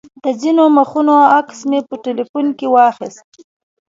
د ځینو مخونو عکس مې په تیلفون کې واخیست.